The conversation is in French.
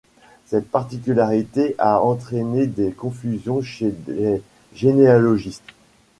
Cette particularité a entraîné des confusions chez les généalogistes.